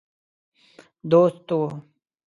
دوست وو.